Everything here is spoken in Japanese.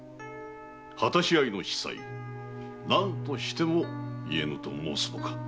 果たし合いの子細何としても言えぬと申すのか？